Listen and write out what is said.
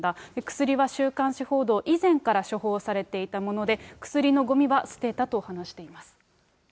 薬は週刊誌報道以前から処方されていたもので、薬のごみは捨てたと話しています。